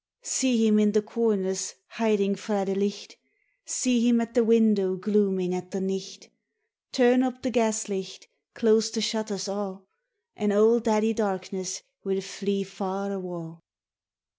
See him in the corners hidin' frae the licht, See him at the window gloomin' at the nicht; Turn up the gas licht, close the shutters a', An' Auld Daddy Darkness will flee far awa'.